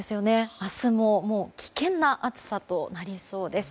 明日も危険な暑さとなりそうです。